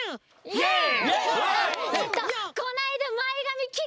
イエイ！